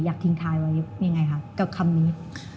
อยากทิ้งทายไว้ยังไงครับกับคำนี้